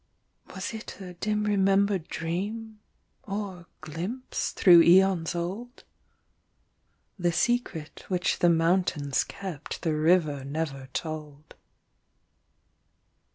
Was it a dim remembered dream? Or glimpse through aeons old? The secret which the mountains kept The river never told.